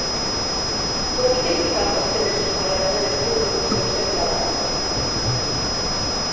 ¿Por que critican vostedes os traballadores públicos e o seu traballo?